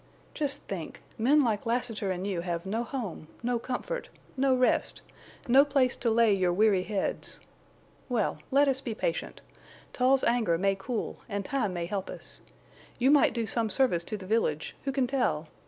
"Just think! Men like Lassiter and you have no home, no comfort, no rest, no place to lay your weary heads. Well!... Let us be patient. Tull's anger may cool, and time may help us. You might do some service to the village—who can tell?